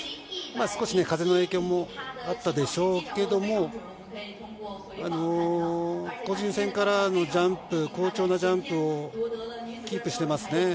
風の影響もあったでしょうけど、個人戦からのジャンプ、好調なジャンプをキープしていますね。